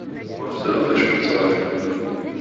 Ur teẓriḍ d acu ik-d-ittrajun.